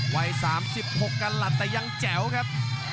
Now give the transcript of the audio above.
วัย๓๖กันหลัดแต่ยังแจ๋วครับ